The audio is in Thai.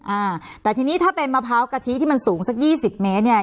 อ่าแต่ทีนี้ถ้าเป็นมะพร้าวกะทิที่มันสูงสักยี่สิบเมตรเนี่ย